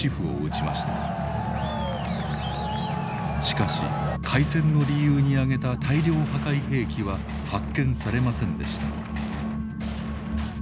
しかし開戦の理由に挙げた大量破壊兵器は発見されませんでした。